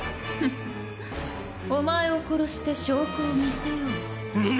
フフお前を殺して証拠を見せよう。